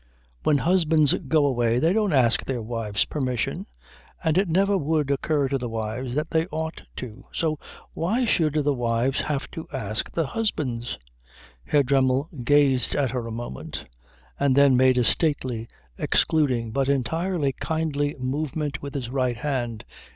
"When husbands go away they don't ask their wives' permission, and it never would occur to the wives that they ought to. So why should the wives have to ask the husbands'?" Herr Dremmel gazed at her a moment, and then made a stately, excluding, but entirely kindly movement with his right hand.